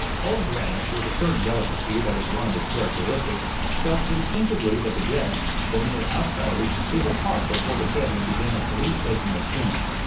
Old Grannis, with a certain delicacy that was one of his characteristics, felt instinctively that the guests the mere outsiders should depart before the family began its leave taking of Trina.